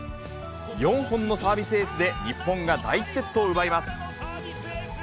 ４本のサービスエースで、日本が第１セットを奪います。